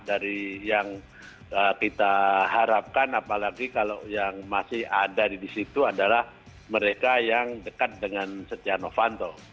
dari yang kita harapkan apalagi kalau yang masih ada di situ adalah mereka yang dekat dengan setia novanto